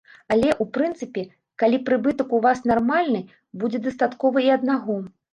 Але, у прынцыпе, калі прыбытак у вас нармальны, будзе дастаткова і аднаго.